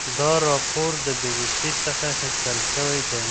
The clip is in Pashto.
دا راپور د بي بي سي څخه اخیستل شوی دی.